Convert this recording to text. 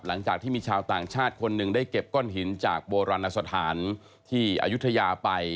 หลังจากที่มีชาวต่างชาติคนหนึ่งได้เก็บก้อนหินจากโบราณสถานที่อายุทยาไป